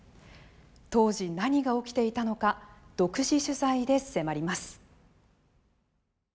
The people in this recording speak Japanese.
当時、何が起きていたのか独自取材で迫ります。